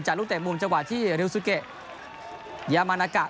จากลุ่มเตะมุมจังหวัดที่ริวสุเกะยามานากะ